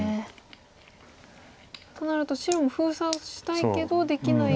となると白も封鎖をしたいけどできない。